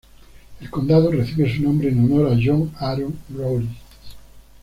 El condado recibe su nombre en honor a John Aaron Rawlins.